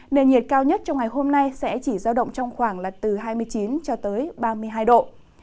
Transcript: nền nhiệt cao nhất trong ngày hôm nay sẽ chỉ giao động trong khoảng là từ hai mươi chín cho tới ba mươi hai độ